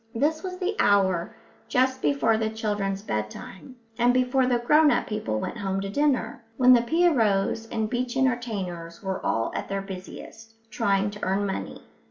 This was the hour just before the children's bedtime, and before the grown up people went home to dinner when the pierrots and beach entertainers were all at their busiest, trying to earn money.